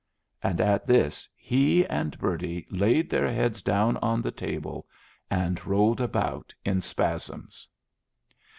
And at this he and Bertie laid their heads down on the table and rolled about in spasms.